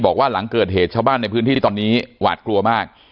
บอกว่าหลังเกิดเหตุชาวบ้านในพื้นที่ตอนนี้หวาดกลัวมาก